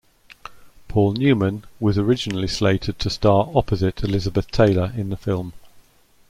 Paul Newman was originally slated to star opposite Elizabeth Taylor in the film.